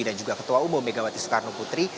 dan juga ketua umum megawati soekarno putri